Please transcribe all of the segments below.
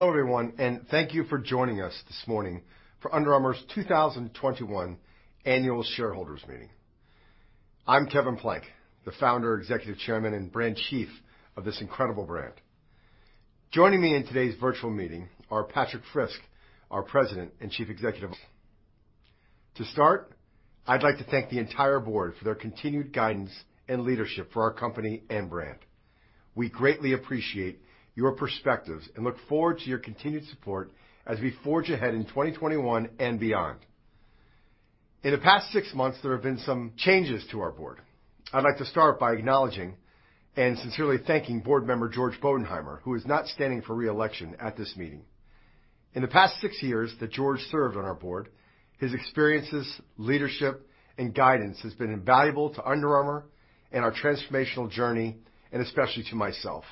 Hello, everyone, and thank you for joining us this morning for Under Armour's 2021 Annual Shareholders Meeting. I'm Kevin Plank, the Founder, Executive Chairman, and Brand Chief of this incredible brand. Joining me in today's virtual meeting are Patrik Frisk, our President and Chief Executive. To start, I'd like to thank the entire Board for their continued guidance and leadership for our company and brand. We greatly appreciate your perspectives and look forward to your continued support as we forge ahead in 2021 and beyond. In the past six months, there have been some changes to our Board. I'd like to start by acknowledging and sincerely thanking Board member George Bodenheimer, who is not standing for re-election at this meeting. In the past six years that George served on our Board, his experiences, leadership, and guidance has been invaluable to Under Armour and our transformational journey, and especially to myself.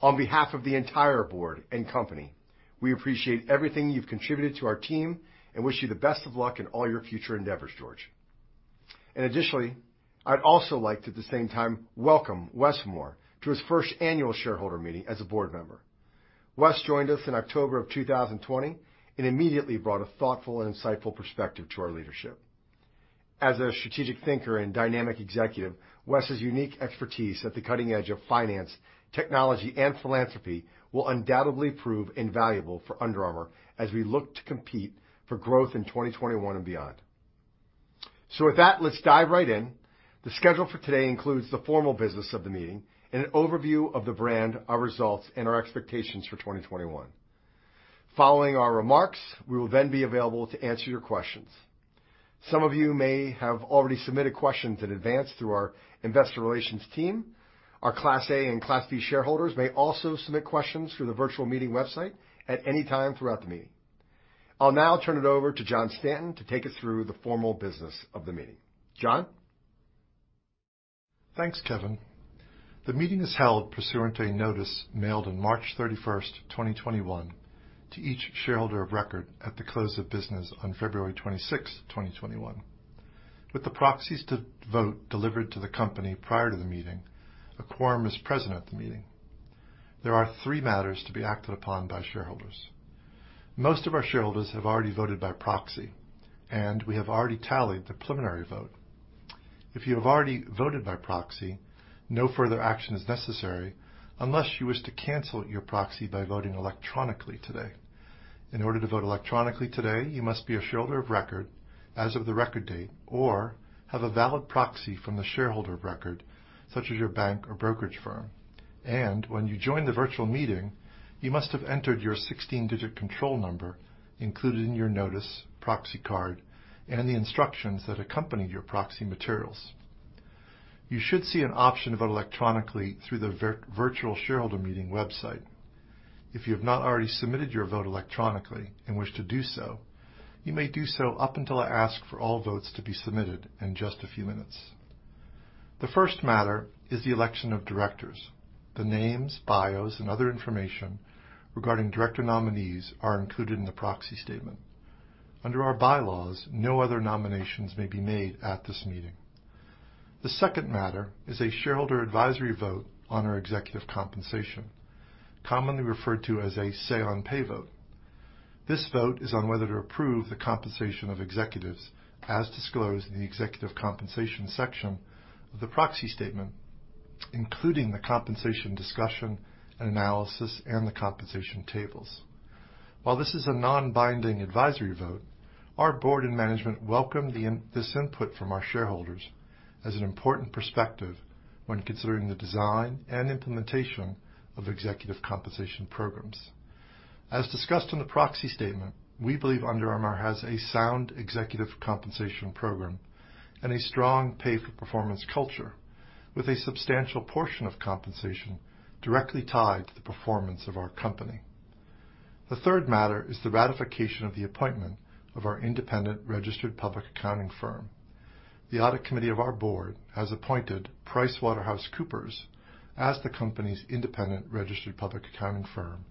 On behalf of the entire board and company, we appreciate everything you've contributed to our team and wish you the best of luck in all your future endeavors, George. Additionally, I'd also like to, at the same time, welcome Wes Moore to his first annual shareholder meeting as a board member. Wes joined us in October of 2020 and immediately brought a thoughtful and insightful perspective to our leadership. As a strategic thinker and dynamic executive, Wes's unique expertise at the cutting edge of finance, technology, and philanthropy will undoubtedly prove invaluable for Under Armour as we look to compete for growth in 2021 and beyond. With that, let's dive right in. The schedule for today includes the formal business of the meeting and an overview of the brand, our results, and our expectations for 2021. Following our remarks, we will then be available to answer your questions. Some of you may have already submitted questions in advance through our investor relations team. Our Class A and Class B shareholders may also submit questions through the virtual meeting website at any time throughout the meeting. I'll now turn it over to John Stanton to take us through the formal business of the meeting. John? Thanks, Kevin. The meeting is held pursuant to a notice mailed on March 31st, 2021, to each shareholder of record at the close of business on February 26th, 2021. With the proxies to vote delivered to the company prior to the meeting, a quorum is present at the meeting. There are three matters to be acted upon by shareholders. Most of our shareholders have already voted by proxy, and we have already tallied the preliminary vote. If you have already voted by proxy, no further action is necessary unless you wish to cancel your proxy by voting electronically today. In order to vote electronically today, you must be a shareholder of record as of the record date or have a valid proxy from the shareholder of record, such as your bank or brokerage firm. When you joined the virtual meeting, you must have entered your 16-digit control number included in your notice, proxy card, and the instructions that accompanied your proxy materials. You should see an option to vote electronically through the virtual shareholder meeting website. If you have not already submitted your vote electronically and wish to do so, you may do so up until I ask for all votes to be submitted in just a few minutes. The first matter is the election of directors. The names, bios, and other information regarding director nominees are included in the proxy statement. Under our bylaws, no other nominations may be made at this meeting. The second matter is a shareholder advisory vote on our executive compensation, commonly referred to as a say on pay vote. This vote is on whether to approve the compensation of executives as disclosed in the executive compensation section of the proxy statement, including the compensation discussion and analysis and the compensation tables. While this is a non-binding advisory vote, our board and management welcome this input from our shareholders as an important perspective when considering the design and implementation of executive compensation programs. As discussed in the proxy statement, we believe Under Armour has a sound executive compensation program and a strong pay-for-performance culture with a substantial portion of compensation directly tied to the performance of our company. The third matter is the ratification of the appointment of our independent registered public accounting firm. The audit committee of our board has appointed PricewaterhouseCoopers as the company's independent registered public accounting firm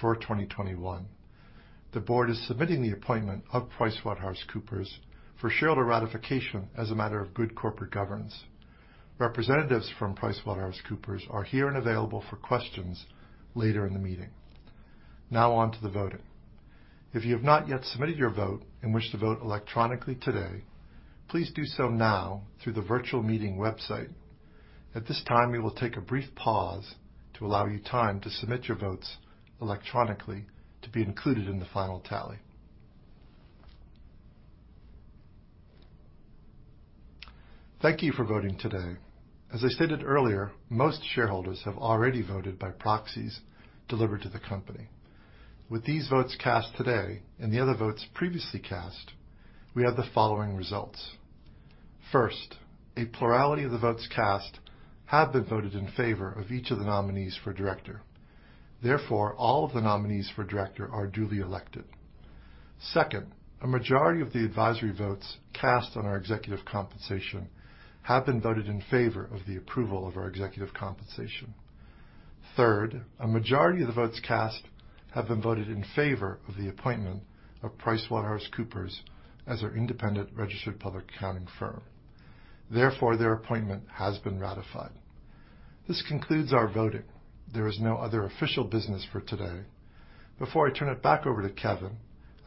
for 2021. The board is submitting the appointment of PricewaterhouseCoopers for shareholder ratification as a matter of good corporate governance. Representatives from PricewaterhouseCoopers are here and available for questions later in the meeting. On to the voting. If you have not yet submitted your vote and wish to vote electronically today, please do so now through the virtual meeting website. At this time, we will take a brief pause to allow you time to submit your votes electronically to be included in the final tally. Thank you for voting today. As I stated earlier, most shareholders have already voted by proxies delivered to the company. With these votes cast today and the other votes previously cast, we have the following results. First, a plurality of the votes cast have been voted in favor of each of the nominees for director. All of the nominees for director are duly elected. Second, a majority of the advisory votes cast on our executive compensation have been voted in favor of the approval of our executive compensation. Third, a majority of the votes cast have been voted in favor of the appointment of PricewaterhouseCoopers as our independent registered public accounting firm. Their appointment has been ratified. This concludes our voting. There is no other official business for today. Before I turn it back over to Kevin,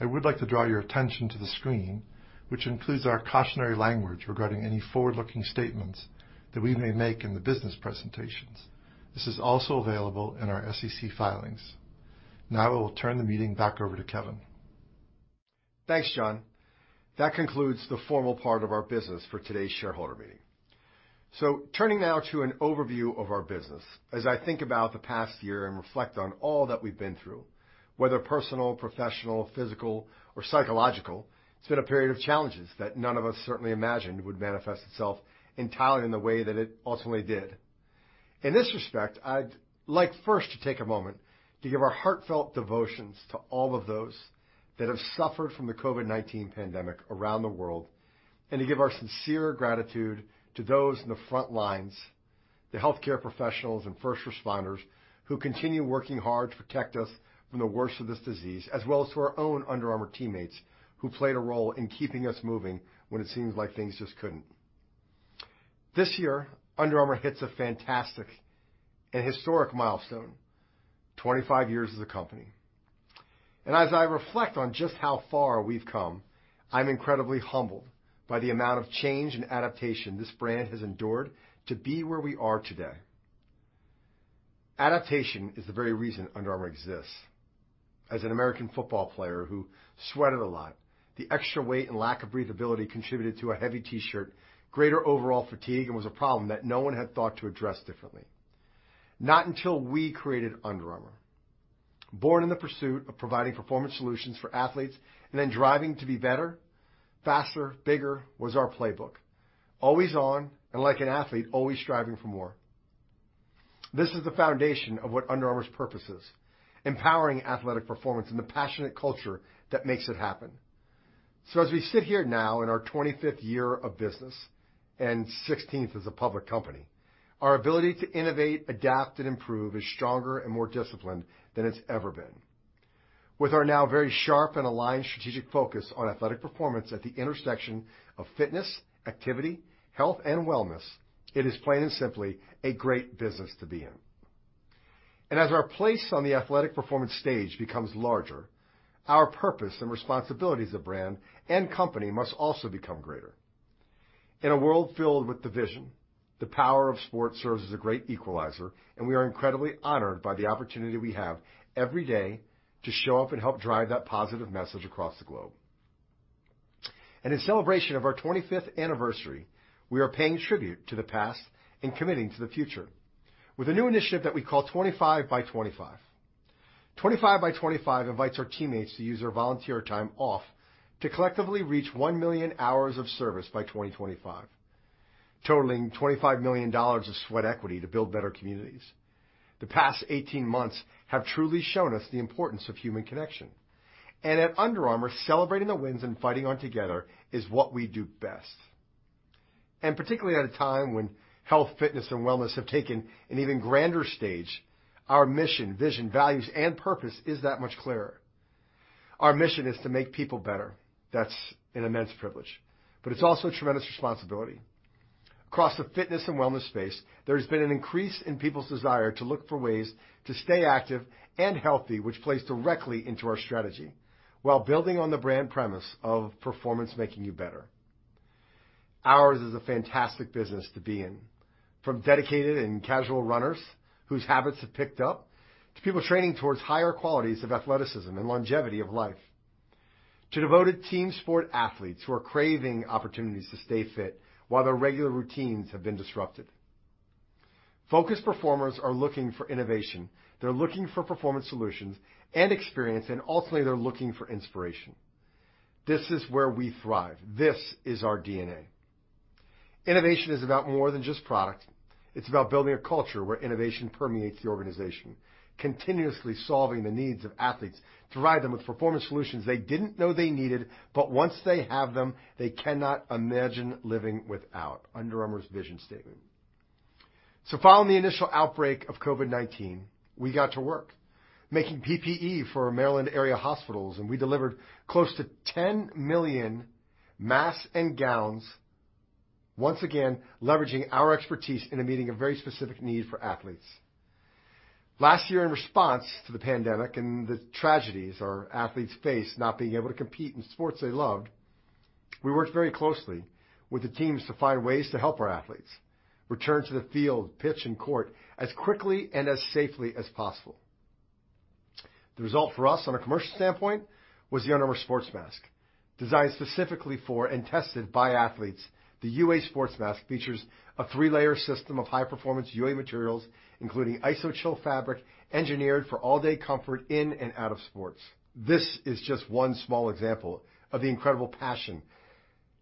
I would like to draw your attention to the screen, which includes our cautionary language regarding any forward-looking statements that we may make in the business presentations. This is also available in our SEC filings. I will turn the meeting back over to Kevin. Thanks, John. That concludes the formal part of our business for today's shareholder meeting. Turning now to an overview of our business, as I think about the past year and reflect on all that we've been through, whether personal, professional, physical, or psychological, it's been a period of challenges that none of us certainly imagined would manifest itself entirely in the way that it ultimately did. In this respect, I'd like first to take a moment to give our heartfelt devotions to all of those that have suffered from the COVID-19 pandemic around the world, and to give our sincere gratitude to those on the front lines, the healthcare professionals and first responders, who continue working hard to protect us from the worst of this disease, as well as to our own Under Armour teammates who played a role in keeping us moving when it seems like things just couldn't. This year, Under Armour hits a fantastic and historic milestone, 25 years as a company. As I reflect on just how far we've come, I'm incredibly humbled by the amount of change and adaptation this brand has endured to be where we are today. Adaptation is the very reason Under Armour exists. As an American football player who sweated a lot, the extra weight and lack of breathability contributed to a heavy T-shirt, greater overall fatigue, and was a problem that no one had thought to address differently. Not until we created Under Armour. Born in the pursuit of providing performance solutions for athletes and then driving to be better, faster, bigger was our playbook. Always on, and like an athlete, always striving for more. This is the foundation of what Under Armour's purpose is, empowering athletic performance and the passionate culture that makes it happen. As we sit here now in our 25th year of business, and 16th as a public company, our ability to innovate, adapt, and improve is stronger and more disciplined than it's ever been. With our now very sharp and aligned strategic focus on athletic performance at the intersection of fitness, activity, health, and wellness, it is plain and simply a great business to be in. As our place on the athletic performance stage becomes larger, our purpose and responsibilities as a brand and company must also become greater. In a world filled with division, the power of sport serves as a great equalizer, and we are incredibly honored by the opportunity we have every day to show up and help drive that positive message across the globe. In celebration of our 25th anniversary, we are paying tribute to the past and committing to the future with a new initiative that we call 25 by 25. 25 by 25 invites our teammates to use their volunteer time off to collectively reach 1 million hours of service by 2025, totaling $25 million of sweat equity to build better communities. The past 18 months have truly shown us the importance of human connection. At Under Armour, celebrating the wins and fighting on together is what we do best. Particularly at a time when health, fitness, and wellness have taken an even grander stage, our mission, vision, values, and purpose is that much clearer. Our mission is to make people better. That's an immense privilege, but it's also a tremendous responsibility. Across the fitness and wellness space, there has been an increase in people's desire to look for ways to stay active and healthy, which plays directly into our strategy, while building on the brand premise of performance making you better. Ours is a fantastic business to be in. From dedicated and casual runners whose habits have picked up, to people training towards higher qualities of athleticism and longevity of life, to devoted team sport athletes who are craving opportunities to stay fit while their regular routines have been disrupted. Focused performers are looking for innovation. They're looking for performance solutions and experience, and ultimately, they're looking for inspiration. This is where we thrive. This is our DNA. Innovation is about more than just product. It's about building a culture where innovation permeates the organization, continuously solving the needs of athletes to provide them with performance solutions they didn't know they needed, but once they have them, they cannot imagine living without. Under Armour's vision statement. Following the initial outbreak of COVID-19, we got to work making PPE for Maryland area hospitals, and we delivered close to 10 million masks and gowns, once again, leveraging our expertise in meeting a very specific need for athletes. Last year, in response to the pandemic and the tragedies our athletes faced not being able to compete in sports they loved, we worked very closely with the teams to find ways to help our athletes return to the field, pitch, and court as quickly and as safely as possible. The result for us on a commercial standpoint was the Under Armour SPORTSMASK. Designed specifically for and tested by athletes, the UA SPORTSMASK features a three-layer system of high-performance UA materials, including Iso-Chill fabric, engineered for all-day comfort in and out of sports. This is just one small example of the incredible passion,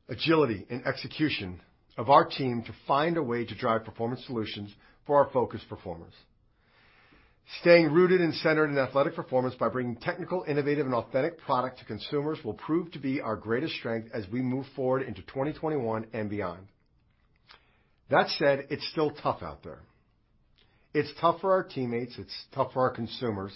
agility, and execution of our team to find a way to drive performance solutions for our focused performers. Staying rooted and centered in athletic performance by bringing technical, innovative, and authentic product to consumers will prove to be our greatest strength as we move forward into 2021 and beyond. That said, it's still tough out there. It's tough for our teammates, it's tough for our consumers,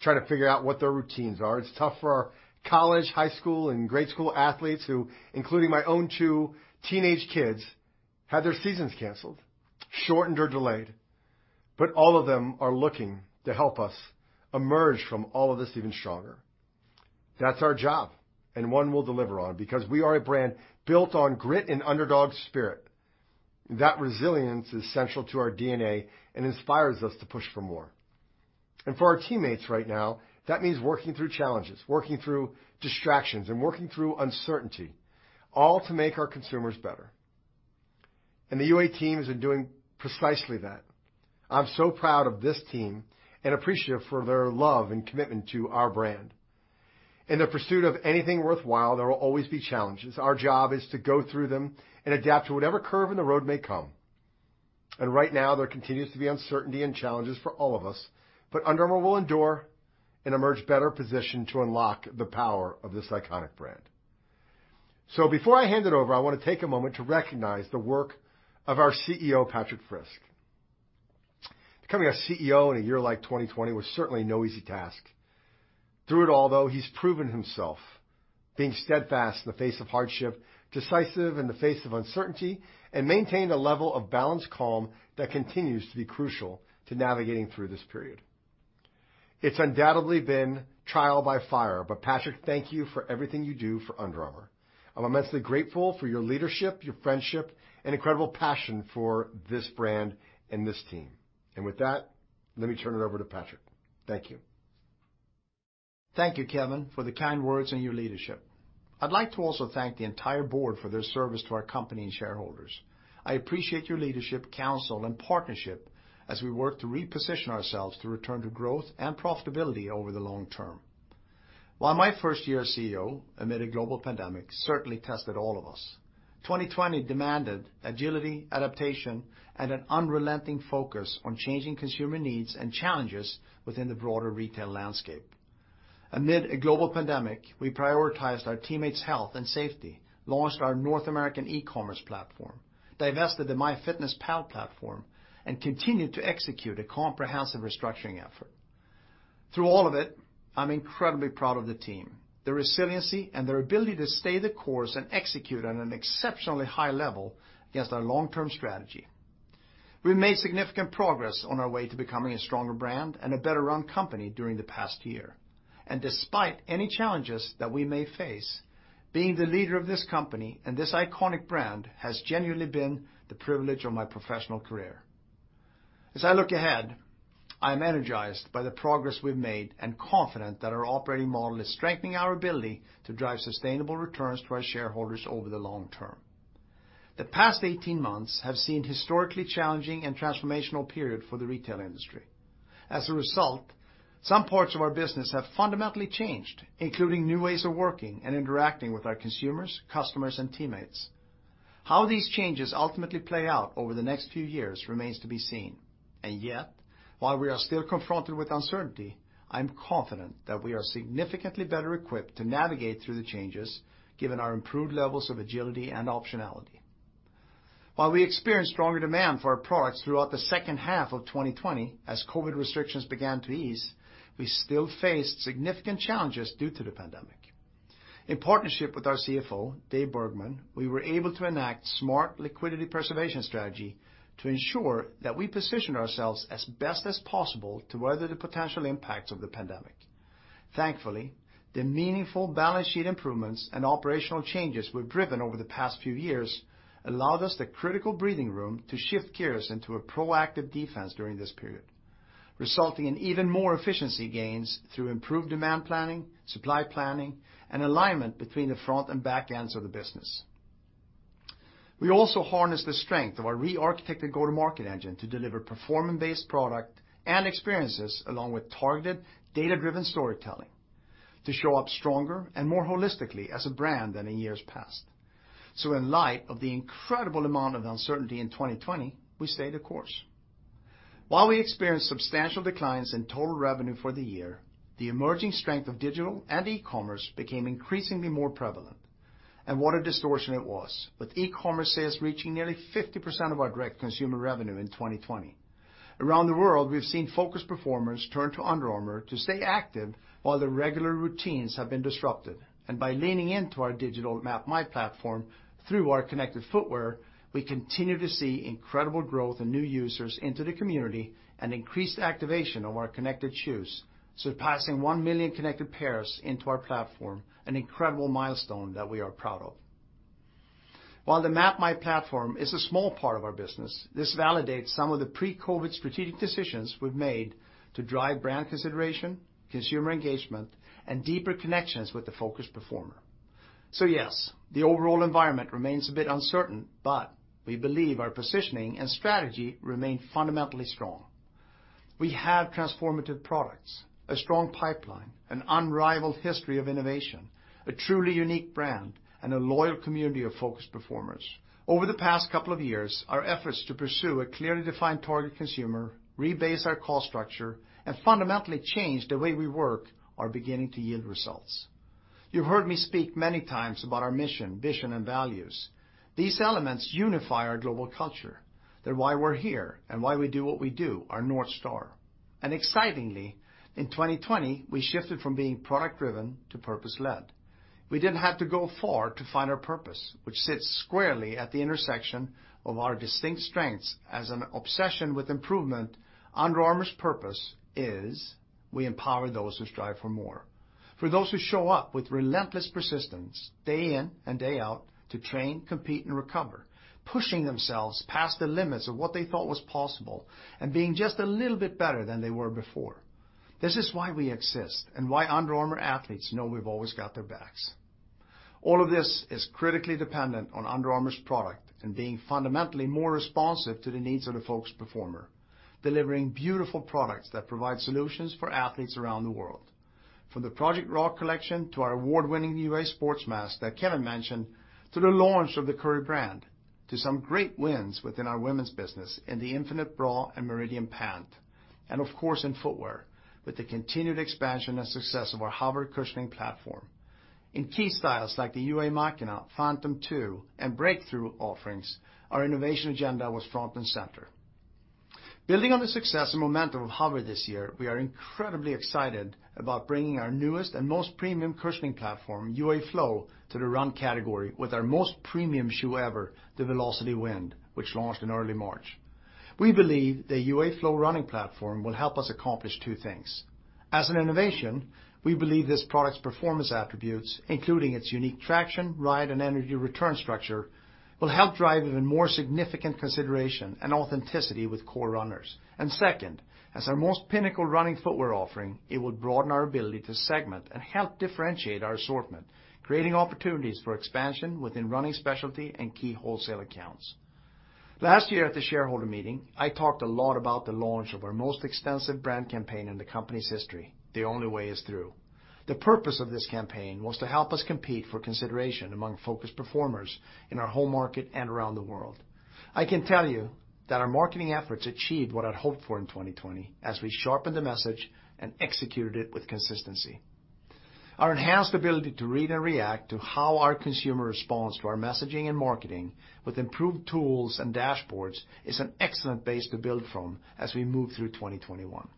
trying to figure out what their routines are. It's tough for our college, high school, and grade school athletes who, including my own two teenage kids, had their seasons canceled, shortened, or delayed. All of them are looking to help us emerge from all of this even stronger. That's our job, and one we'll deliver on because we are a brand built on grit and underdog spirit. That resilience is central to our DNA and inspires us to push for more. For our teammates right now, that means working through challenges, working through distractions, and working through uncertainty, all to make our consumers better. The UA team has been doing precisely that. I'm so proud of this team and appreciative for their love and commitment to our brand. In the pursuit of anything worthwhile, there will always be challenges. Our job is to go through them and adapt to whatever curve in the road may come. Right now, there continues to be uncertainty and challenges for all of us, but Under Armour will endure and emerge better positioned to unlock the power of this iconic brand. Before I hand it over, I want to take a moment to recognize the work of our CEO, Patrik Frisk. Becoming a CEO in a year like 2020 was certainly no easy task. Through it all, though, he's proven himself, being steadfast in the face of hardship, decisive in the face of uncertainty, and maintained a level of balanced calm that continues to be crucial to navigating through this period. It's undoubtedly been trial by fire, but Patrik, thank you for everything you do for Under Armour. I'm immensely grateful for your leadership, your friendship, and incredible passion for this brand and this team. With that, let me turn it over to Patrik. Thank you. Thank you, Kevin, for the kind words and your leadership. I'd like to also thank the entire board for their service to our company and shareholders. I appreciate your leadership, counsel, and partnership as we work to reposition ourselves to return to growth and profitability over the long term. While my first year as CEO, amid a global pandemic, certainly tested all of us, 2020 demanded agility, adaptation, and an unrelenting focus on changing consumer needs and challenges within the broader retail landscape. Amid a global pandemic, we prioritized our teammates' health and safety, launched our North American e-commerce platform, divested the MyFitnessPal platform, and continued to execute a comprehensive restructuring effort. Through all of it, I'm incredibly proud of the team, their resiliency, and their ability to stay the course and execute on an exceptionally high level against our long-term strategy. We made significant progress on our way to becoming a stronger brand and a better-run company during the past year. Despite any challenges that we may face, being the leader of this company and this iconic brand has genuinely been the privilege of my professional career. As I look ahead, I am energized by the progress we've made and confident that our operating model is strengthening our ability to drive sustainable returns to our shareholders over the long term. The past 18 months have seen historically challenging and transformational period for the retail industry. As a result, some parts of our business have fundamentally changed, including new ways of working and interacting with our consumers, customers, and teammates. How these changes ultimately play out over the next few years remains to be seen. Yet, while we are still confronted with uncertainty, I'm confident that we are significantly better equipped to navigate through the changes, given our improved levels of agility and optionality. While we experienced stronger demand for our products throughout the second half of 2020, as COVID-19 restrictions began to ease, we still faced significant challenges due to the pandemic. In partnership with our CFO, David Bergman, we were able to enact smart liquidity preservation strategy to ensure that we position ourselves as best as possible to weather the potential impacts of the pandemic. Thankfully, the meaningful balance sheet improvements and operational changes we've driven over the past few years allowed us the critical breathing room to shift gears into a proactive defense during this period, resulting in even more efficiency gains through improved demand planning, supply planning, and alignment between the front and back ends of the business. We also harnessed the strength of our rearchitected go-to-market engine to deliver performance-based product and experiences along with targeted data-driven storytelling to show up stronger and more holistically as a brand than in years past. In light of the incredible amount of uncertainty in 2020, we stayed the course. While we experienced substantial declines in total revenue for the year, the emerging strength of digital and e-commerce became increasingly more prevalent. What a distortion it was, with e-commerce sales reaching nearly 50% of our direct consumer revenue in 2020. Around the world, we've seen focused performers turn to Under Armour to stay active while their regular routines have been disrupted. By leaning into our digital MapMy platform through our connected footwear, we continue to see incredible growth in new users into the community and increased activation of our connected shoes, surpassing 1 million connected pairs into our platform, an incredible milestone that we are proud of. While the MapMy platform is a small part of our business, this validates some of the pre-COVID strategic decisions we've made to drive brand consideration, consumer engagement, and deeper connections with the Focused Performer. Yes, the overall environment remains a bit uncertain, but we believe our positioning and strategy remain fundamentally strong. We have transformative products, a strong pipeline, an unrivaled history of innovation, a truly unique brand, and a loyal community of focused performers. Over the past couple of years, our efforts to pursue a clearly defined target consumer, rebase our cost structure, and fundamentally change the way we work are beginning to yield results. You've heard me speak many times about our mission, vision, and values. These elements unify our global culture. They're why we're here and why we do what we do, our North Star. Excitingly, in 2020, we shifted from being product driven to purpose led. We didn't have to go far to find our purpose, which sits squarely at the intersection of our distinct strengths. As an obsession with improvement, Under Armour's purpose is we empower those who strive for more. For those who show up with relentless persistence, day in and day out, to train, compete, and recover, pushing themselves past the limits of what they thought was possible and being just a little bit better than they were before. This is why we exist and why Under Armour athletes know we've always got their backs. All of this is critically dependent on Under Armour's product and being fundamentally more responsive to the needs of the focused performer. Delivering beautiful products that provide solutions for athletes around the world. From the Project Rock collection to our award-winning UA SPORTSMASK that Kevin mentioned, to the launch of the Curry Brand, to some great wins within our women's business in the UA Infinity bra and Meridian pant. And of course, in footwear, with the continued expansion and success of our HOVR cushioning platform. In key styles like the UA Machina, Phantom 2, and breakthrough offerings, our innovation agenda was front and center. Building on the success and momentum of HOVR this year, we are incredibly excited about bringing our newest and most premium cushioning platform, UA Flow, to the run category with our most premium shoe ever, the Velociti Wind, which launched in early March. We believe the UA Flow running platform will help us accomplish two things. As an innovation, we believe this product's performance attributes, including its unique traction, ride, and energy return structure, will help drive even more significant consideration and authenticity with core runners. Second, as our most pinnacle running footwear offering, it will broaden our ability to segment and help differentiate our assortment, creating opportunities for expansion within running specialty and key wholesale accounts. Last year at the shareholder meeting, I talked a lot about the launch of our most extensive brand campaign in the company's history, The Only Way Is Through. The purpose of this campaign was to help us compete for consideration among focused performers in our home market and around the world. I can tell you that our marketing efforts achieved what I'd hoped for in 2020, as we sharpened the message and executed it with consistency. Our enhanced ability to read and react to how our consumer responds to our messaging and marketing with improved tools and dashboards is an excellent base to build from as we move through 2021.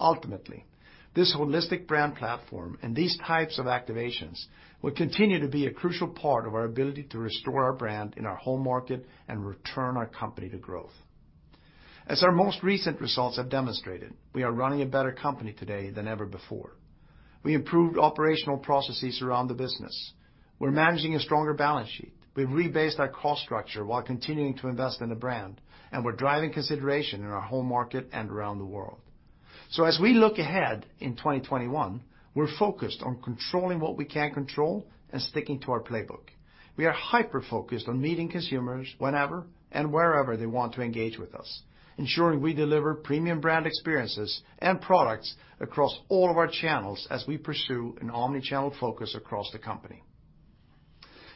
Ultimately, this holistic brand platform and these types of activations will continue to be a crucial part of our ability to restore our brand in our home market and return our company to growth. As our most recent results have demonstrated, we are running a better company today than ever before. We improved operational processes around the business. We're managing a stronger balance sheet. We've rebased our cost structure while continuing to invest in the brand, and we're driving consideration in our home market and around the world. As we look ahead in 2021, we're focused on controlling what we can control and sticking to our playbook. We are hyper-focused on meeting consumers whenever and wherever they want to engage with us, ensuring we deliver premium brand experiences and products across all of our channels as we pursue an omnichannel focus across the company.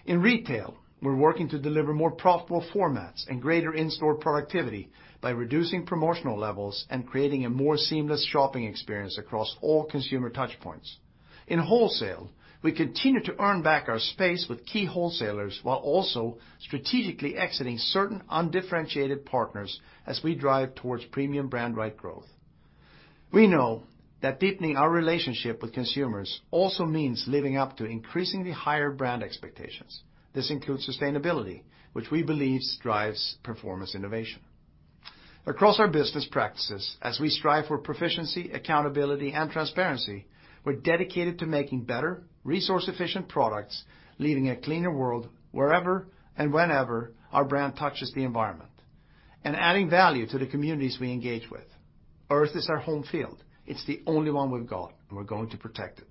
In retail, we're working to deliver more profitable formats and greater in-store productivity by reducing promotional levels and creating a more seamless shopping experience across all consumer touchpoints. In wholesale, we continue to earn back our space with key wholesalers while also strategically exiting certain undifferentiated partners as we drive towards premium brand right growth. We know that deepening our relationship with consumers also means living up to increasingly higher brand expectations. This includes sustainability, which we believe drives performance innovation. Across our business practices, as we strive for proficiency, accountability, and transparency, we're dedicated to making better resource-efficient products, leaving a cleaner world wherever and whenever our brand touches the environment and adding value to the communities we engage with. Earth is our home field. It's the only one we've got, and we're going to protect it.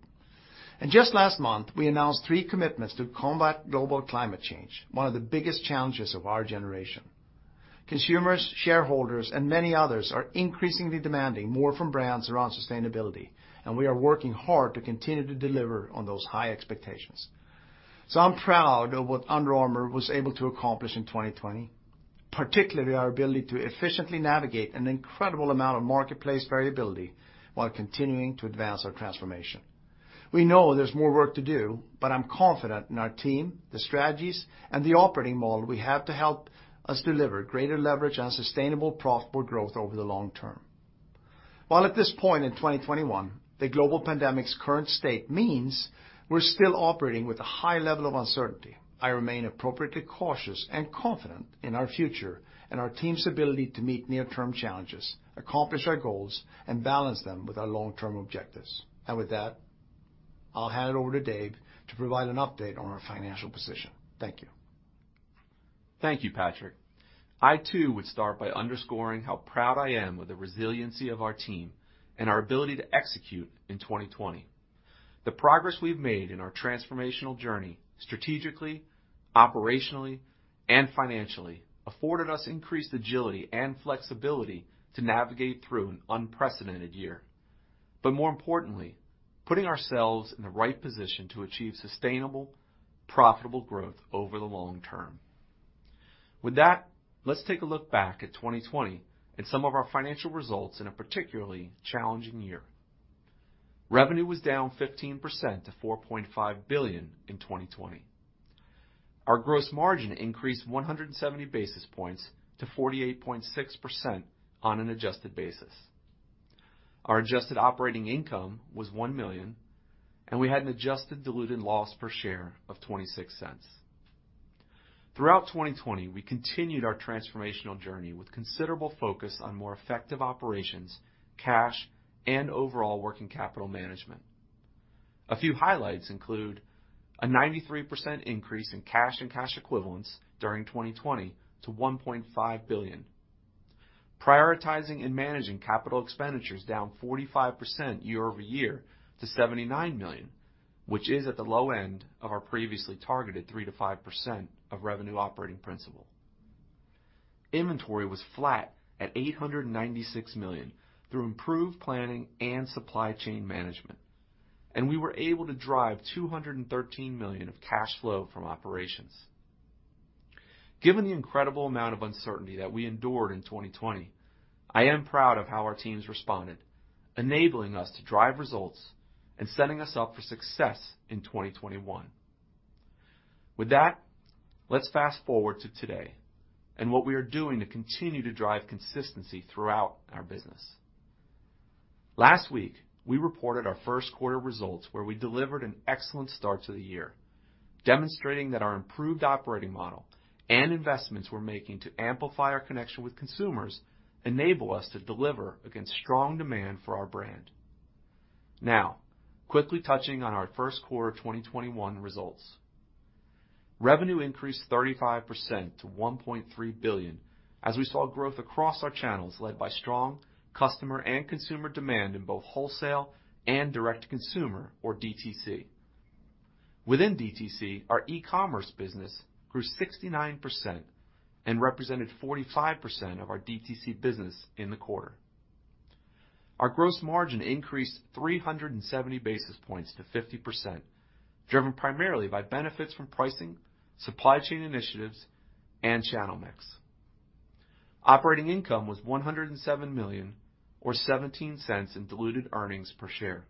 Just last month, we announced three commitments to combat global climate change, one of the biggest challenges of our generation. Consumers, shareholders, and many others are increasingly demanding more from brands around sustainability, and we are working hard to continue to deliver on those high expectations. I'm proud of what Under Armour was able to accomplish in 2020, particularly our ability to efficiently navigate an incredible amount of marketplace variability while continuing to advance our transformation. We know there's more work to do, but I'm confident in our team, the strategies, and the operating model we have to help us deliver greater leverage and sustainable, profitable growth over the long term. While at this point in 2021, the global pandemic's current state means we're still operating with a high level of uncertainty, I remain appropriately cautious and confident in our future and our team's ability to meet near-term challenges, accomplish our goals, and balance them with our long-term objectives. With that, I'll hand it over to David Bergman to provide an update on our financial position. Thank you. Thank you, Patrik. I too would start by underscoring how proud I am with the resiliency of our team and our ability to execute in 2020. The progress we've made in our transformational journey, strategically, operationally, and financially afforded us increased agility and flexibility to navigate through an unprecedented year. More importantly, putting ourselves in the right position to achieve sustainable, profitable growth over the long term. With that, let's take a look back at 2020 and some of our financial results in a particularly challenging year. Revenue was down 15% to $4.5 billion in 2020. Our gross margin increased 170 basis points to 48.6% on an adjusted basis. Our adjusted operating income was $1 million, and we had an adjusted diluted loss per share of $0.26. Throughout 2020, we continued our transformational journey with considerable focus on more effective operations, cash, and overall working capital management. A few highlights include a 93% increase in cash and cash equivalents during 2020 to $1.5 billion, prioritizing and managing capital expenditures down 45% year-over-year to $79 million, which is at the low end of our previously targeted 3%-5% of revenue operating principle. Inventory was flat at $896 million through improved planning and supply chain management, and we were able to drive $213 million of cash flow from operations. Given the incredible amount of uncertainty that we endured in 2020, I am proud of how our teams responded, enabling us to drive results and setting us up for success in 2021. With that, let's fast-forward to today and what we are doing to continue to drive consistency throughout our business. Last week, we reported our first quarter results where we delivered an excellent start to the year, demonstrating that our improved operating model and investments we're making to amplify our connection with consumers enable us to deliver against strong demand for our brand. Now, quickly touching on our first quarter of 2021 results. Revenue increased 35% to $1.3 billion as we saw growth across our channels led by strong customer and consumer demand in both wholesale and direct-to-consumer, or DTC. Within DTC, our e-commerce business grew 69% and represented 45% of our DTC business in the quarter. Our gross margin increased 370 basis points to 50%, driven primarily by benefits from pricing, supply chain initiatives, and channel mix. Operating income was $107 million, or $0.17 in diluted earnings per share.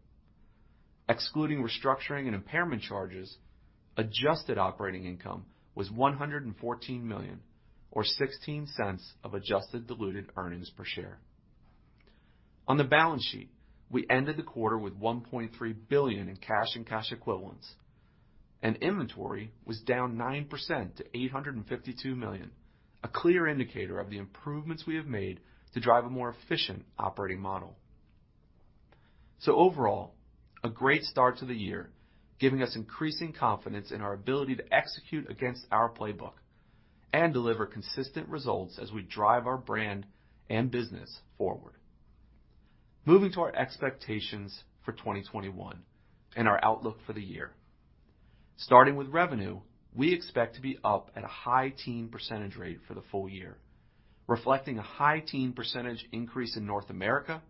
Excluding restructuring and impairment charges, adjusted operating income was $114 million, or $0.16 of adjusted diluted earnings per share. On the balance sheet, we ended the quarter with $1.3 billion in cash and cash equivalents, and inventory was down 9% to $852 million, a clear indicator of the improvements we have made to drive a more efficient operating model. Overall, a great start to the year, giving us increasing confidence in our ability to execute against our playbook and deliver consistent results as we drive our brand and business forward. Moving to our expectations for 2021 and our outlook for the year. Starting with revenue, we expect to be up at a high teen percentage rate for the full year, reflecting a high teen percentage increase in North America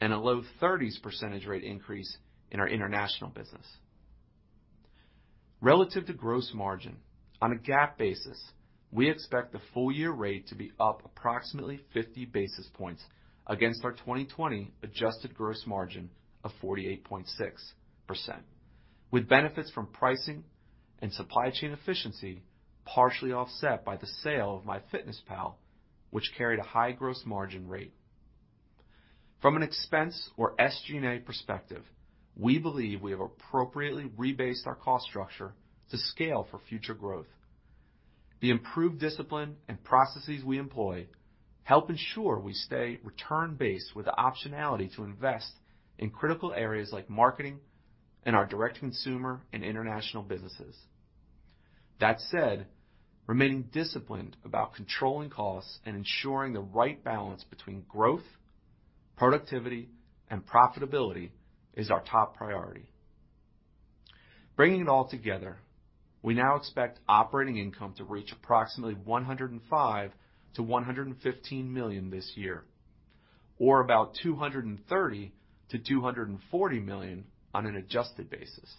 and a low 30s percentage rate increase in our international business. Relative to gross margin, on a GAAP basis, we expect the full-year rate to be up approximately 50 basis points against our 2020 adjusted gross margin of 48.6%, with benefits from pricing and supply chain efficiency partially offset by the sale of MyFitnessPal, which carried a high gross margin rate. From an expense or SG&A perspective, we believe we have appropriately rebased our cost structure to scale for future growth. The improved discipline and processes we employ help ensure we stay return based with the optionality to invest in critical areas like marketing and our direct consumer and international businesses. That said, remaining disciplined about controlling costs and ensuring the right balance between growth, productivity, and profitability is our top priority. Bringing it all together, we now expect operating income to reach approximately $105 million-$115 million this year, or about $230 million-$240 million on an adjusted basis.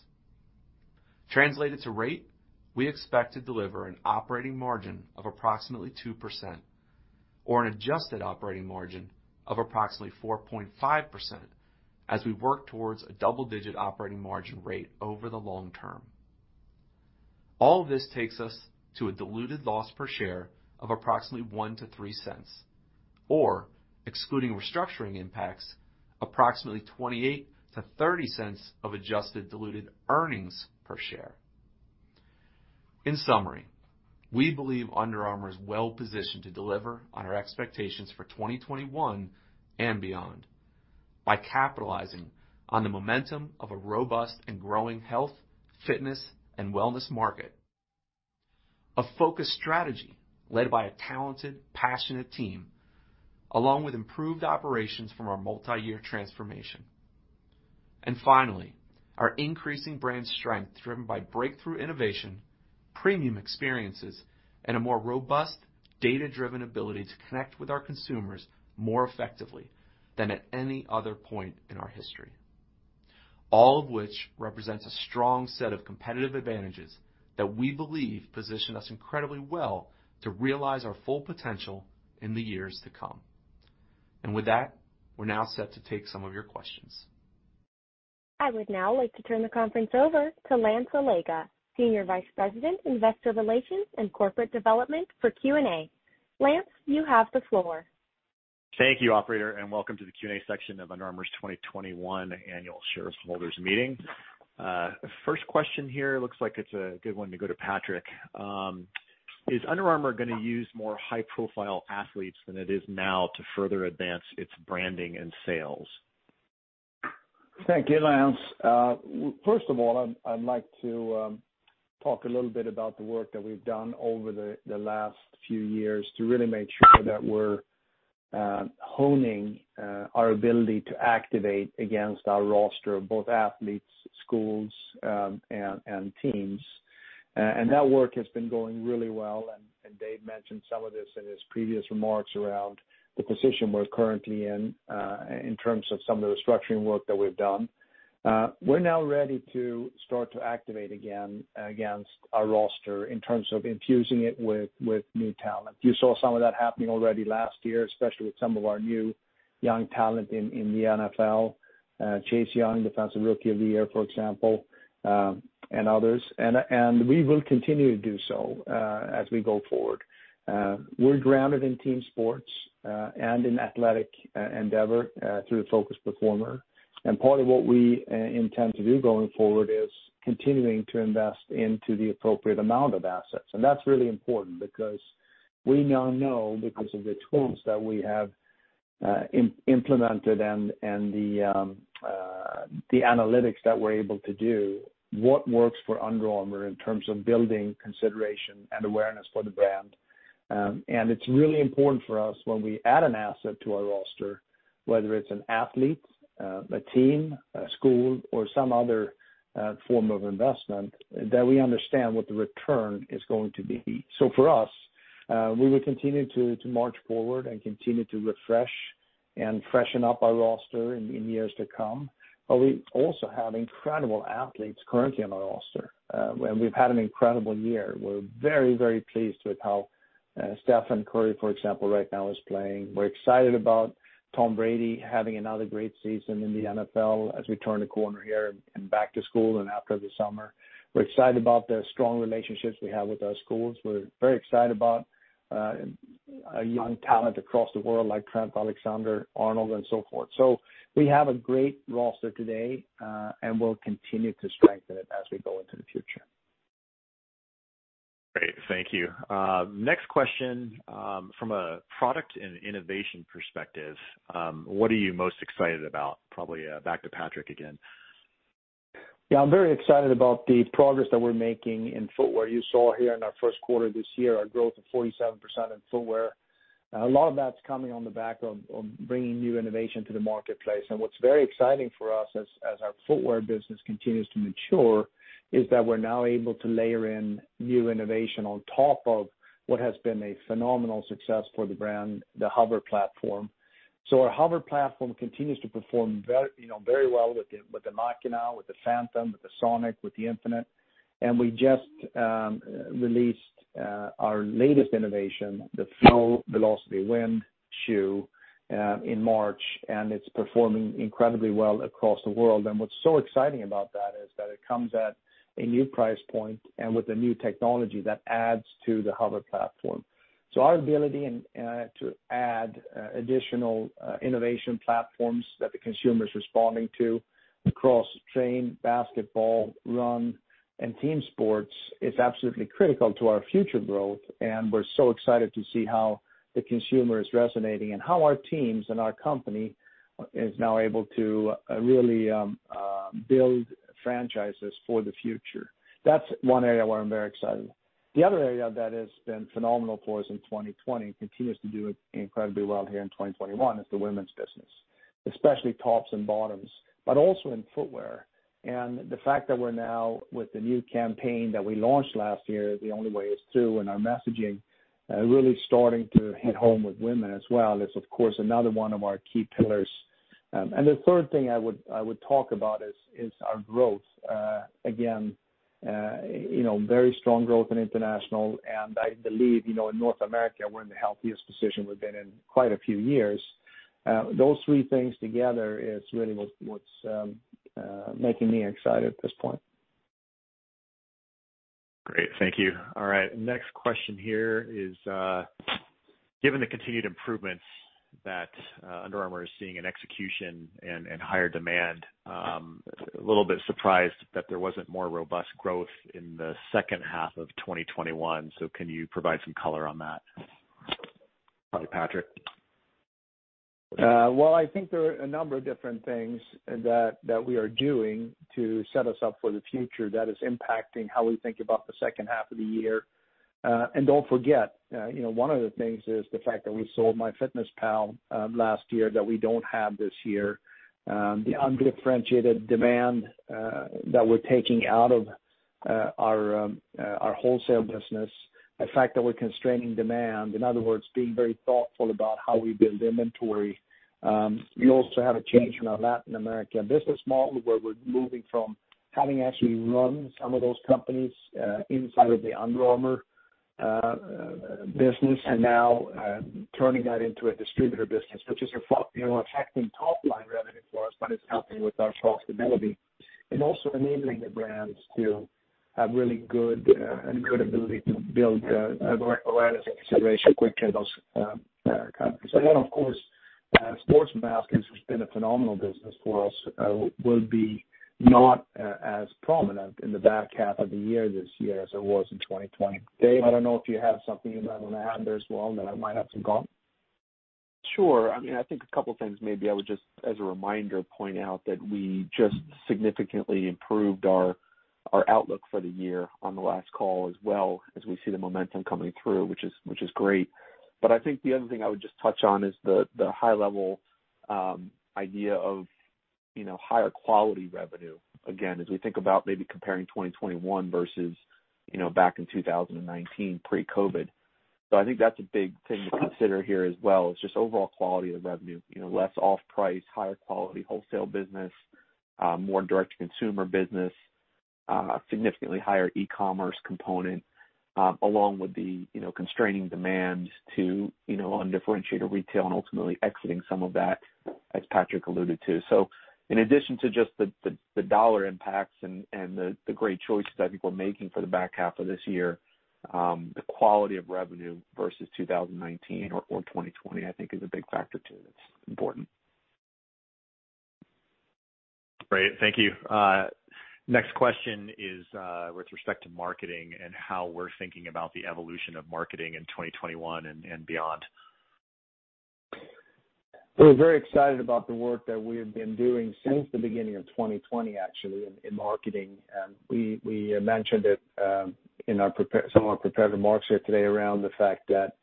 Translated to rate, we expect to deliver an operating margin of approximately 2% or an adjusted operating margin of approximately 4.5% as we work towards a double-digit operating margin rate over the long term. All this takes us to a diluted loss per share of approximately $0.01-$0.03, or excluding restructuring impacts, approximately $0.28-$0.30 of adjusted diluted earnings per share. In summary, we believe Under Armour is well-positioned to deliver on our expectations for 2021 and beyond by capitalizing on the momentum of a robust and growing health, fitness, and wellness market. A focused strategy led by a talented, passionate team, along with improved operations from our multiyear transformation. Finally, our increasing brand strength driven by breakthrough innovation, premium experiences, and a more robust, data-driven ability to connect with our consumers more effectively than at any other point in our history. All of which represents a strong set of competitive advantages that we believe position us incredibly well to realize our full potential in the years to come. With that, we're now set to take some of your questions. I would now like to turn the conference over to Lance Allega, Senior Vice President, Investor Relations and Corporate Development for Q&A. Lance, you have the floor. Thank you, operator, and welcome to the Q&A section of Under Armour's 2021 annual shareholders meeting. First question here, looks like it's a good one to go to Patrik. Is Under Armour gonna use more high-profile athletes than it is now to further advance its branding and sales? Thank you, Lance Allega. First of all, I'd like to talk a little bit about the work that we've done over the last few years to really make sure that we're honing our ability to activate against our roster of both athletes, schools, and teams. That work has been going really well, and David Bergman mentioned some of this in his previous remarks around the position we're currently in terms of some of the structuring work that we've done. We're now ready to start to activate again against our roster in terms of infusing it with new talent. You saw some of that happening already last year, especially with some of our new young talent in the NFL. Chase Young, Defensive Rookie of the Year, for example, and others. We will continue to do so as we go forward. We're grounded in team sports and in athletic endeavor through the Focused Performer. Part of what we intend to do going forward is continuing to invest into the appropriate amount of assets. That's really important because we now know, because of the tools that we have implemented and the analytics that we're able to do, what works for Under Armour in terms of building consideration and awareness for the brand. It's really important for us when we add an asset to our roster, whether it's an athlete, a team, a school, or some other form of investment, that we understand what the return is going to be. For us, we will continue to march forward and continue to refresh and freshen up our roster in years to come. We also have incredible athletes currently on our roster, and we've had an incredible year. We're very pleased with how Stephen Curry, for example, right now is playing. We're excited about Tom Brady having another great season in the NFL as we turn the corner here and back to school and after the summer. We're excited about the strong relationships we have with our schools. We're very excited about young talent across the world like Trent Alexander-Arnold and so forth. We have a great roster today, and we'll continue to strengthen it as we go into the future. Great. Thank you. Next question, from a product and innovation perspective, what are you most excited about? Probably back to Patrik again. Yeah. I'm very excited about the progress that we're making in footwear. You saw here in our first quarter this year, our growth of 47% in footwear. A lot of that's coming on the back of bringing new innovation to the marketplace. What's very exciting for us as our footwear business continues to mature, is that we're now able to layer in new innovation on top of what has been a phenomenal success for the brand, the UA HOVR Platform. Our UA HOVR Platform continues to perform very well with the Machina, with the Phantom, with the Sonic, with the Infinite. We just released our latest innovation, the Flow Velociti Wind shoe, in March, and it's performing incredibly well across the world. What's so exciting about that is that it comes at a new price point and with a new technology that adds to the UA HOVR Platform. Our ability to add additional innovation platforms that the consumer is responding to across train, basketball, run, and team sports is absolutely critical to our future growth, and we're so excited to see how the consumer is resonating and how our teams and our company is now able to really build franchises for the future. That's one area where I'm very excited. The other area that has been phenomenal for us in 2020, continues to do incredibly well here in 2021, is the women's business, especially tops and bottoms, but also in footwear. The fact that we're now with the new campaign that we launched last year, The Only Way Is Through, and our messaging really starting to hit home with women as well, is, of course, another one of our key pillars. The third thing I would talk about is our growth. Again, very strong growth in international, and I believe, in North America, we're in the healthiest position we've been in quite a few years. Those three things together is really what's making me excited at this point. Great. Thank you. All right. Next question here is, given the continued improvements that Under Armour is seeing in execution and in higher demand, a little bit surprised that there wasn't more robust growth in the second half of 2021. Can you provide some color on that? Probably Patrik. Well, I think there are a number of different things that we are doing to set us up for the future that is impacting how we think about the second half of the year. Don't forget, one of the things is the fact that we sold MyFitnessPal last year, that we don't have this year. The undifferentiated demand that we're taking out of our wholesale business, the fact that we're constraining demand, in other words, being very thoughtful about how we build inventory. We also have a change in our Latin America business model, where we're moving from having actually run some of those companies inside of the Under Armour business and now turning that into a distributor business, which is affecting top-line revenue for us, but it's helping with our profitability and also enabling the brands to have really good and a good ability to build direct awareness and consideration quickly in those countries. Then, of course, sports masks, which has been a phenomenal business for us, will be not as prominent in the back half of the year this year as it was in 2020. David Bergman, I don't know if you have something you'd like to add there as well that I might have forgotten. Sure. I think a couple things maybe I would just, as a reminder, point out that we just significantly improved our outlook for the year on the last call as well, as we see the momentum coming through, which is great. I think the other thing I would just touch on is the high-level idea of higher quality revenue, again, as we think about maybe comparing 2021 versus back in 2019, pre-COVID-19. I think that's a big thing to consider here as well, is just overall quality of revenue. Less off-price, higher quality wholesale business, more direct-to-consumer business, a significantly higher e-commerce component, along with the constraining demands to undifferentiated retail and ultimately exiting some of that, as Patrik alluded to. In addition to just the dollar impacts and the great choices I think we're making for the back half of this year, the quality of revenue versus 2019 or 2020, I think, is a big factor, too, that's important. Great. Thank you. Next question is with respect to marketing and how we're thinking about the evolution of marketing in 2021 and beyond. We're very excited about the work that we have been doing since the beginning of 2020, actually, in marketing. We mentioned it in some of our prepared remarks here today around the fact that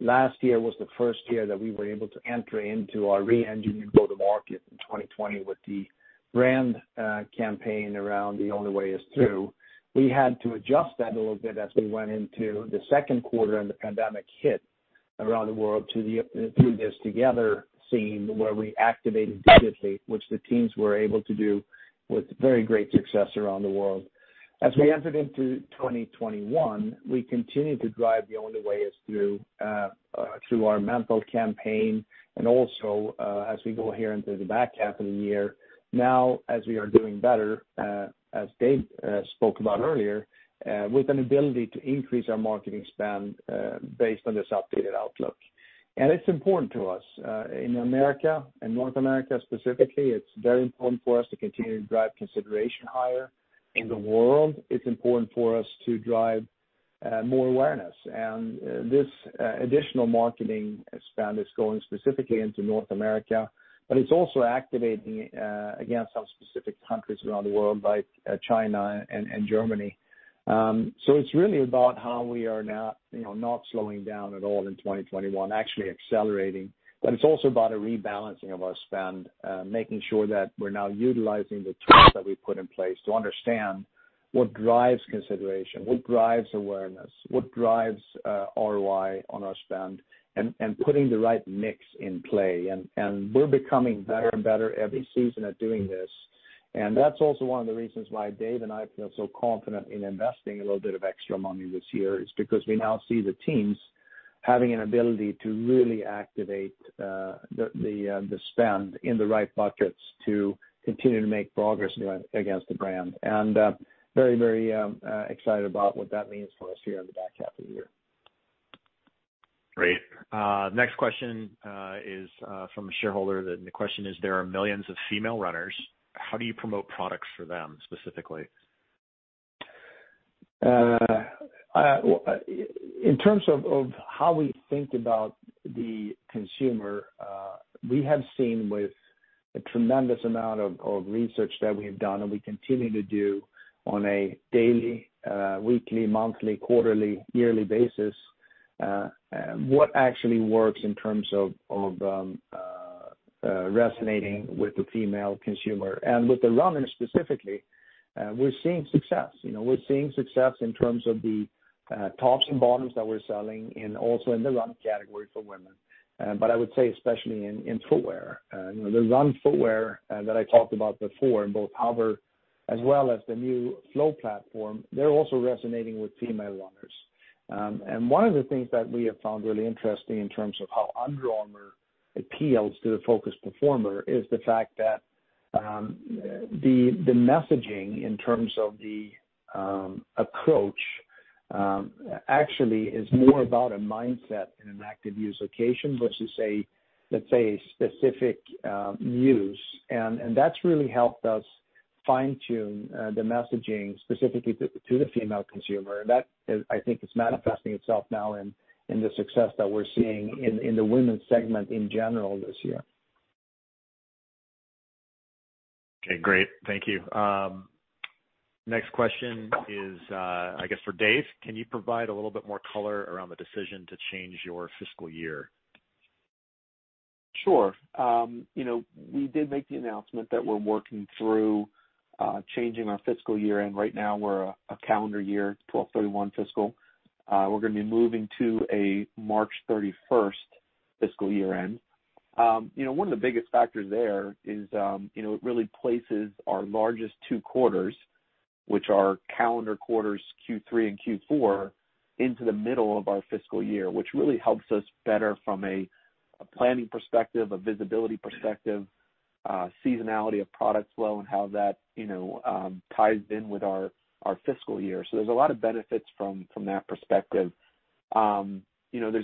last year was the first year that we were able to enter into our re-engineered go-to-market in 2020 with the brand campaign around The Only Way Is Through. We had to adjust that a little bit as we went into the second quarter and the pandemic hit around the world to the Through This Together theme, where we activated digitally, which the teams were able to do with very great success around the world. As we entered into 2021, we continued to drive The Only Way Is Through through our mental campaign, and also as we go here into the back half of the year, now, as we are doing better, as David Bergman spoke about earlier, with an ability to increase our marketing spend based on this updated outlook. It's important to us. In America and North America specifically, it's very important for us to continue to drive consideration higher. In the world, it's important for us to drive more awareness. This additional marketing spend is going specifically into North America, but it's also activating, again, some specific countries around the world, like China and Germany. It's really about how we are now not slowing down at all in 2021, actually accelerating. It's also about a rebalancing of our spend, making sure that we're now utilizing the tools that we've put in place to understand what drives consideration, what drives awareness, what drives ROI on our spend, and putting the right mix in play. We're becoming better and better every season at doing this. That's also one of the reasons why David and I feel so confident in investing a little bit of extra money this year is because we now see the teams having an ability to really activate the spend in the right buckets to continue to make progress against the brand. Very excited about what that means for us here in the back half of the year. Great. Next question is from a shareholder, and the question is: There are millions of female runners. How do you promote products for them specifically? In terms of how we think about the consumer, we have seen with a tremendous amount of research that we have done and we continue to do on a daily, weekly, monthly, quarterly, yearly basis, what actually works in terms of resonating with the female consumer. With the runners specifically, we're seeing success. We're seeing success in terms of the tops and bottoms that we're selling, and also in the run category for women. I would say especially in footwear. The run footwear that I talked about before in both HOVR as well as the new Flow platform, they're also resonating with female runners. One of the things that we have found really interesting in terms of how Under Armour appeals to the focused performer is the fact that the messaging in terms of the approach actually is more about a mindset and an active use occasion versus, let's say, a specific use. That's really helped us fine-tune the messaging specifically to the female consumer. That, I think, is manifesting itself now in the success that we're seeing in the women's segment in general this year. Okay, great. Thank you. Next question is, I guess, for David Bergman. Can you provide a little bit more color around the decision to change your fiscal year? Sure. We did make the announcement that we're working through changing our fiscal year-end. Right now, we're a calendar year, it's 12/31 fiscal. We're going to be moving to a March 31st fiscal year end. One of the biggest factors there is it really places our largest two quarters, which are calendar quarters Q3 and Q4, into the middle of our fiscal year, which really helps us better from a planning perspective, a visibility perspective, seasonality of product flow, and how that ties in with our fiscal year. There's a lot of benefits from that perspective. There's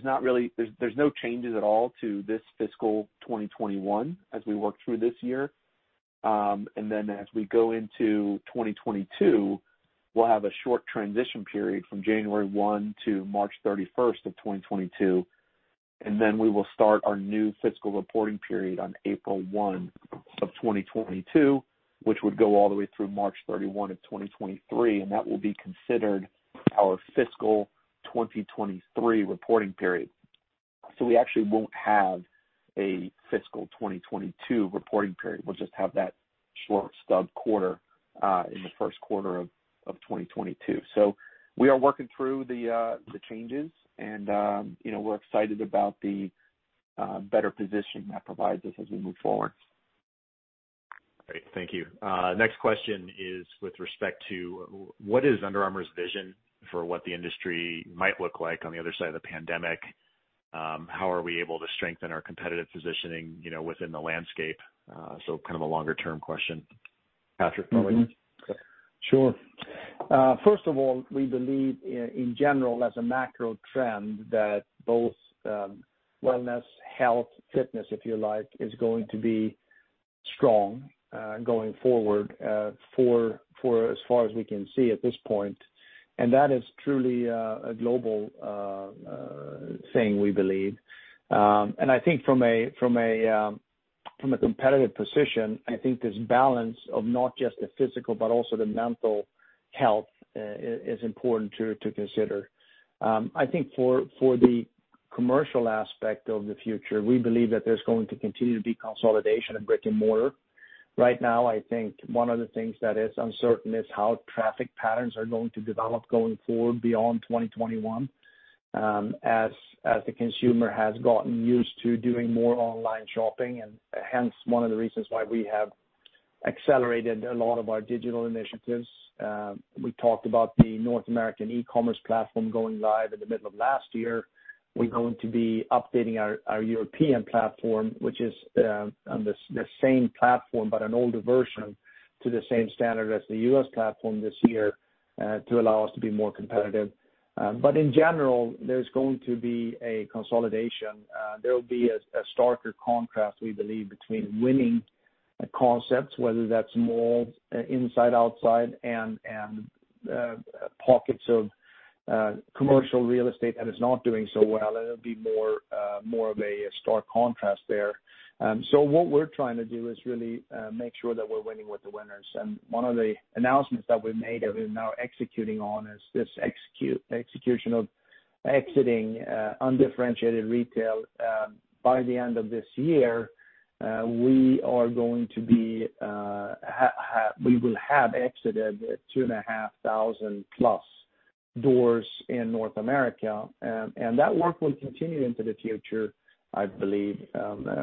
no changes at all to this fiscal 2021 as we work through this year. As we go into 2022, we'll have a short transition period from January 1 to March 31st of 2022, we will start our new fiscal reporting period on April 1 of 2022, which would go all the way through March 31 of 2023, and that will be considered our fiscal 2023 reporting period. We actually won't have a fiscal 2022 reporting period. We'll just have that short stub quarter in the first quarter of 2022. We are working through the changes and we're excited about the better position that provides us as we move forward. Great. Thank you. Next question is with respect to what is Under Armour's vision for what the industry might look like on the other side of the pandemic? How are we able to strengthen our competitive positioning within the landscape? Kind of a longer-term question. Patrik, why don't you take it? Sure. First of all, we believe in general, as a macro trend, that both wellness, health, fitness, if you like, is going to be strong going forward for as far as we can see at this point. That is truly a global thing, we believe. I think from a competitive position, I think this balance of not just the physical, but also the mental health is important to consider. I think for the commercial aspect of the future, we believe that there's going to continue to be consolidation of brick and mortar. Right now, I think one of the things that is uncertain is how traffic patterns are going to develop going forward beyond 2021, as the consumer has gotten used to doing more online shopping, hence one of the reasons why we have accelerated a lot of our digital initiatives. We talked about the North American e-commerce platform going live in the middle of last year. We're going to be updating our European platform, which is the same platform, but an older version to the same standard as the U.S. platform this year to allow us to be more competitive. In general, there's going to be a consolidation. There will be a starker contrast, we believe, between winning concepts, whether that's malls inside, outside and pockets of commercial real estate that is not doing so well. It'll be more of a stark contrast there. What we're trying to do is really make sure that we're winning with the winners. One of the announcements that we've made that we're now executing on is this execution of exiting undifferentiated retail. By the end of this year, we will have exited 2,500 plus doors in North America. That work will continue into the future, I believe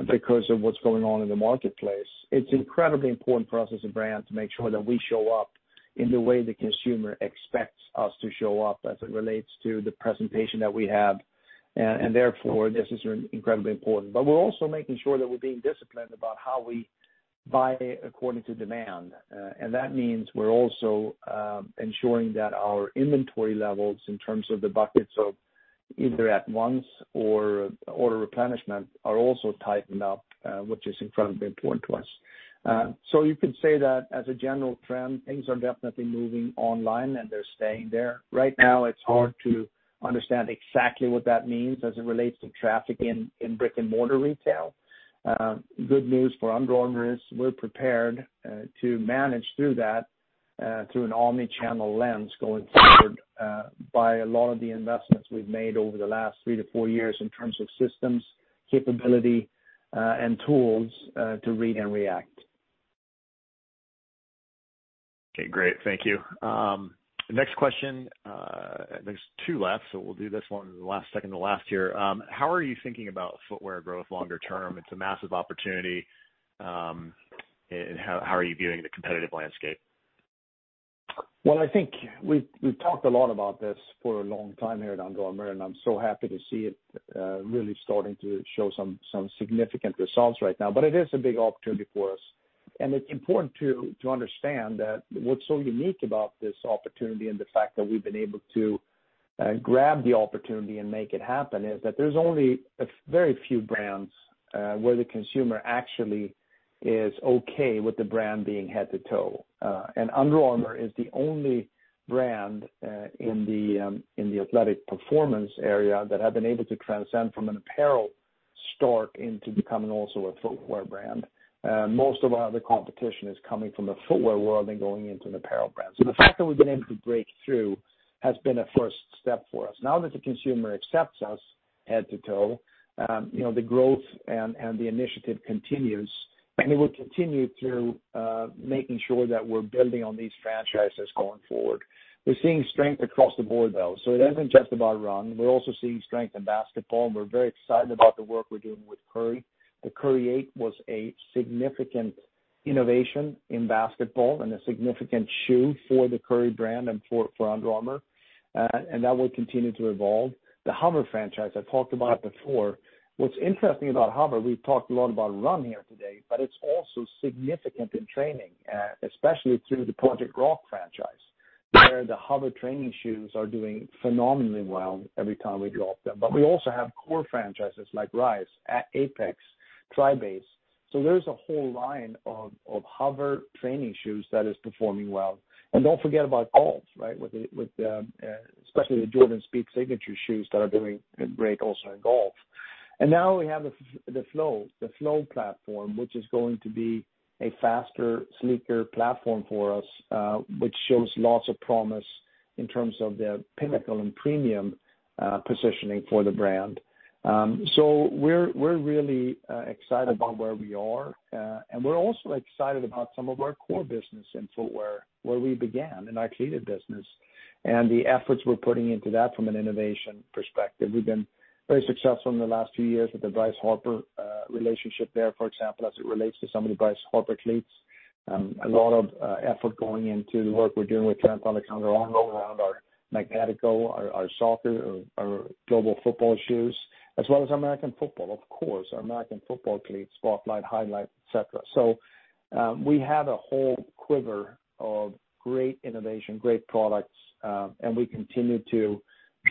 because of what's going on in the marketplace. It's incredibly important for us as a brand to make sure that we show up in the way the consumer expects us to show up as it relates to the presentation that we have. Therefore, this is incredibly important. We're also making sure that we're being disciplined about how we buy according to demand. That means we're also ensuring that our inventory levels in terms of the buckets of either at once or order replenishment are also tightened up, which is incredibly important to us. You could say that as a general trend, things are definitely moving online and they're staying there. Right now, it's hard to understand exactly what that means as it relates to traffic in brick-and-mortar retail. Good news for Under Armour is we're prepared to manage through that through an omnichannel lens going forward by a lot of the investments we've made over the last three to four years in terms of systems, capability, and tools to read and react. Okay, great. Thank you. Next question. There's two left, so we'll do this one second to last here. How are you thinking about footwear growth longer term? It's a massive opportunity. How are you viewing the competitive landscape? I think we've talked a lot about this for a long time here at Under Armour, and I'm so happy to see it really starting to show some significant results right now. It is a big opportunity for us, and it's important to understand that what's so unique about this opportunity and the fact that we've been able to grab the opportunity and make it happen, is that there's only a very few brands where the consumer actually is okay with the brand being head to toe. Under Armour is the only brand in the athletic performance area that have been able to transcend from an apparel store into becoming also a footwear brand. Most of our other competition is coming from the footwear world and going into an apparel brand. The fact that we've been able to break through has been a first step for us. Now that the consumer accepts us head to toe, the growth and the initiative continues, and it will continue through making sure that we're building on these franchises going forward. We're seeing strength across the board, though, so it isn't just about run. We're also seeing strength in basketball, and we're very excited about the work we're doing with Curry. The Curry 8 was a significant innovation in basketball and a significant shoe for the Curry Brand and for Under Armour, and that will continue to evolve. The HOVR franchise, I talked about it before. What's interesting about HOVR, we've talked a lot about run here today, but it's also significant in training, especially through the Project Rock franchise, where the HOVR training shoes are doing phenomenally well every time we drop them. But we also have core franchises like Rise, Apex, TriBase. There's a whole line of HOVR training shoes that is performing well. Don't forget about golf, right? With especially the Jordan Spieth signature shoes that are doing great also in golf. Now we have the Flow platform, which is going to be a faster, sleeker platform for us, which shows lots of promise in terms of the pinnacle and premium positioning for the brand. We're really excited about where we are. We're also excited about some of our core business in footwear, where we began in our cleat business and the efforts we're putting into that from an innovation perspective. We've been very successful in the last few years with the Bryce Harper relationship there, for example, as it relates to some of the Bryce Harper cleats. A lot of effort going into the work we're doing with Trent Alexander-Arnold around our Magnetico, our soccer, our global football shoes, as well as American football, of course, our American football cleats, Spotlight, Highlight, et cetera. We have a whole quiver of great innovation, great products, and we continue to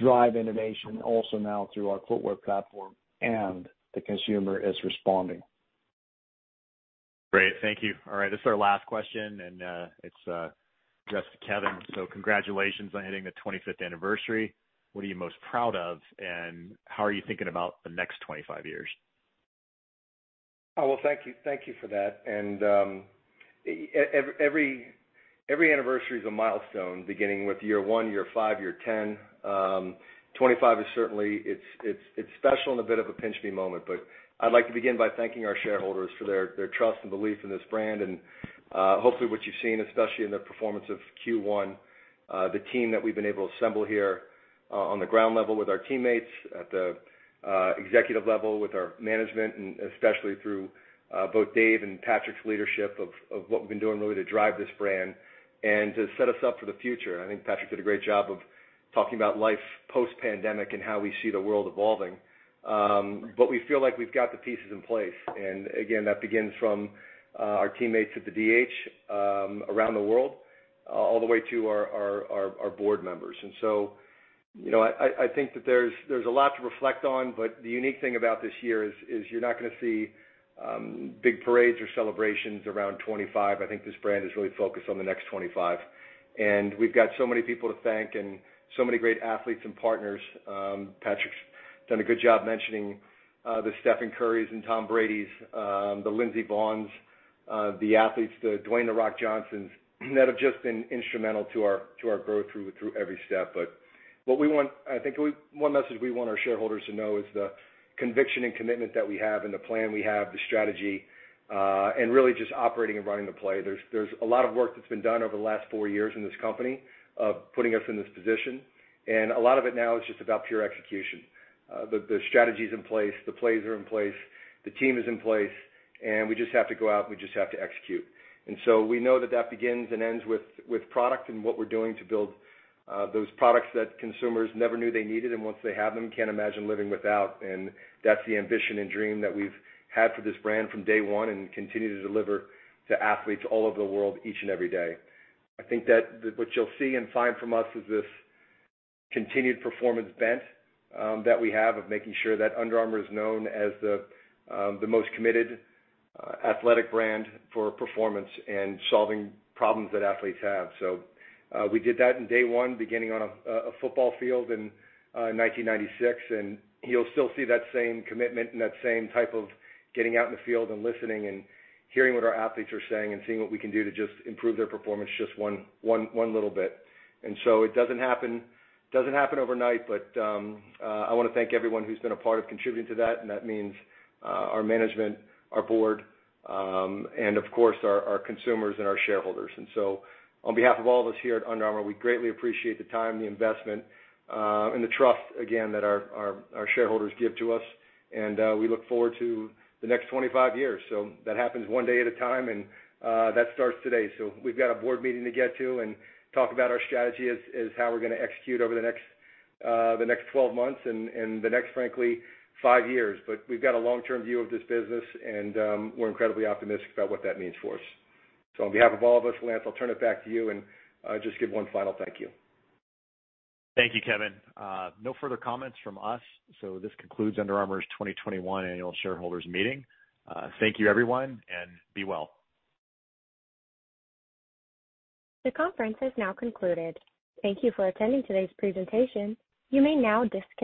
drive innovation also now through our footwear platform, and the consumer is responding. Great. Thank you. All right, this is our last question, and it's addressed to Kevin. "Congratulations on hitting the 25th anniversary. What are you most proud of, and how are you thinking about the next 25 years? Well, thank you. Thank you for that. Every anniversary is a milestone, beginning with year one, year five, year 10. 25 is certainly, it's special and a bit of a pinch me moment. I'd like to begin by thanking our shareholders for their trust and belief in this brand and, hopefully, what you've seen, especially in the performance of Q1, the team that we've been able to assemble here on the ground level with our teammates, at the executive level with our management, and especially through both David Bergman and Patrik Frisk's leadership of what we've been doing really to drive this brand and to set us up for the future. I think Patrik Frisk did a great job of talking about life post-pandemic and how we see the world evolving. We feel like we've got the pieces in place. That begins from our teammates at the DC around the world all the way to our board members. I think that there's a lot to reflect on, but the unique thing about this year is you're not going to see big parades or celebrations around 25. I think this brand is really focused on the next 25. We've got so many people to thank and so many great athletes and partners. Patrik's done a good job mentioning the Stephen Currys and Tom Bradys, the Lindsey Vonns, the athletes, the Dwayne "The Rock" Johnsons that have just been instrumental to our growth through every step. What we want, I think one message we want our shareholders to know is the conviction and commitment that we have and the plan we have, the strategy, and really just operating and running the play. There's a lot of work that's been done over the last four years in this company of putting us in this position, and a lot of it now is just about pure execution. The strategy's in place, the plays are in place, the team is in place, and we just have to go out and we just have to execute. We know that that begins and ends with product and what we're doing to build those products that consumers never knew they needed, and once they have them, can't imagine living without. That's the ambition and dream that we've had for this brand from day one and continue to deliver to athletes all over the world each and every day. I think that what you'll see and find from us is this continued performance bent that we have of making sure that Under Armour is known as the most committed athletic brand for performance and solving problems that athletes have. We did that in day one, beginning on a football field in 1996, and you'll still see that same commitment and that same type of getting out in the field and listening and hearing what our athletes are saying and seeing what we can do to just improve their performance just one little bit. It doesn't happen overnight, but I wanna thank everyone who's been a part of contributing to that, and that means our management, our board, and of course, our consumers and our shareholders. On behalf of all of us here at Under Armour, we greatly appreciate the time, the investment, and the trust, again, that our shareholders give to us, and we look forward to the next 25 years. That happens one day at a time, and that starts today. We've got a board meeting to get to and talk about our strategy as how we're gonna execute over the next 12 months and the next, frankly, five years. We've got a long-term view of this business, and we're incredibly optimistic about what that means for us. On behalf of all of us, Lance, I'll turn it back to you and just give one final thank you. Thank you, Kevin. No further comments from us. This concludes Under Armour's 2021 Annual Shareholders Meeting. Thank you, everyone, and be well. The conference has now concluded. Thank you for attending today's presentation. You may now disconnect.